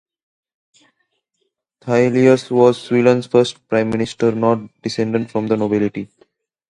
Thyselius was Sweden's first prime minister not descended from the nobility.